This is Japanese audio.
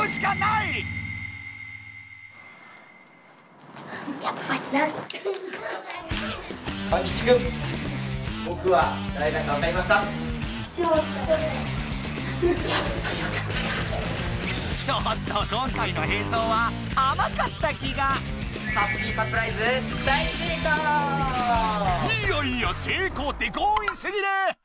いやいや成功って強引すぎる！